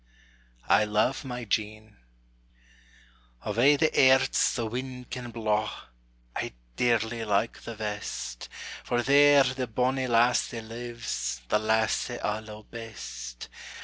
I LOVE MY JEAN. Of a' the airts the wind can blaw, I dearly like the west; For there the bonnie lassie lives, The lassie I lo'e best.